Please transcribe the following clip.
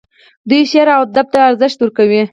دوی شعر او ادب ته ارزښت ورکوي.